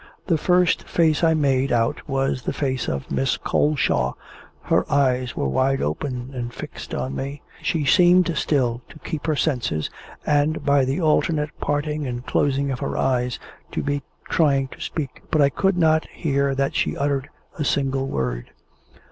The first face I made out was the face of Miss Coleshaw, her eyes were wide open and fixed on me. She seemed still to keep her senses, and, by the alternate parting and closing of her lips, to be trying to speak, but I could not hear that she uttered a single word.